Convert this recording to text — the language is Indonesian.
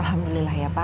alhamdulillah ya pak